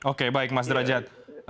oke baik mas derajat